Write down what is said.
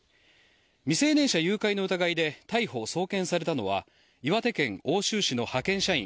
未成年者誘拐の疑いで逮捕・送検されたのは岩手県奥州市の派遣社員